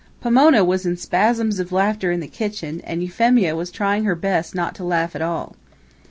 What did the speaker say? Pomona was in spasms of laughter in the kitchen, and Euphemia was trying her best not to laugh at all.